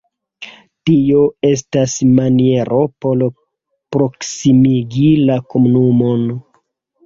Tio estas maniero por proksimigi la komunumon.